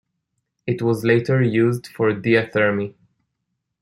It was later used for diathermy.